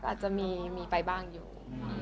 อาจจะมีไปบ้างอยู่